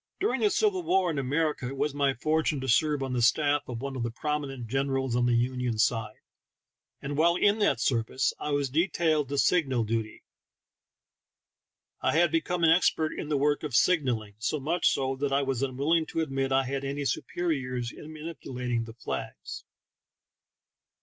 During the civil war in America it was my for tune to serve on the staff of one of the prominent generals on the Union side, and while in that serv ice I was detailed to signal duty. I had become expert in the work of signaling, so much so that I was unwilling to admit I had any superiors in manipulating the flags.